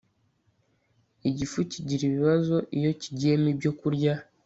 Igifu kigira ibibazo iyo kigiyemo ibyokurya